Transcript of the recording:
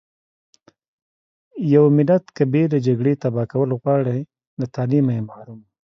يو ملت که بې له جګړې تبا کول غواړٸ له تعليمه يې محروم .